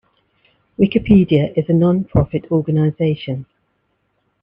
Wikipedia is a non-profit organization.